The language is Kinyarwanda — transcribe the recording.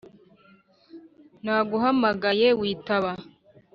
naguhamagaye witaba